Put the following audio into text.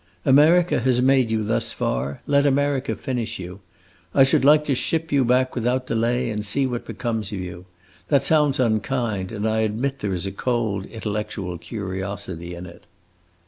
America has made you thus far; let America finish you! I should like to ship you back without delay and see what becomes of you. That sounds unkind, and I admit there is a cold intellectual curiosity in it."